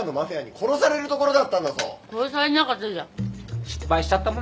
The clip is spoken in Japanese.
殺されなかったじゃん。